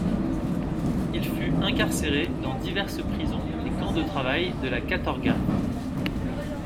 Il fut incarcéré dans diverses prisons et camps de travail de la katorga.